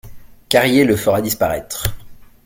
Carrier le fera disparaître.